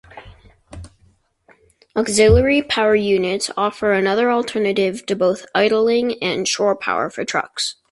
Auxiliary power units offer another alternative to both idling and shore power for trucks.